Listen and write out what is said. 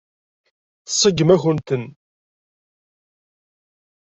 Tseggem-akent-ten.